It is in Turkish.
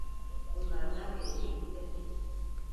Bunlardan birini itti.